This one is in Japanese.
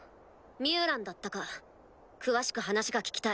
ミュウランだったか詳しく話が聞きたい。